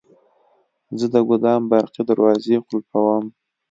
زه د ګودام برقي دروازې قلفووم.